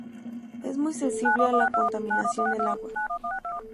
Es muy sensible a la contaminación del agua.